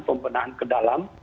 pembenahan ke dalam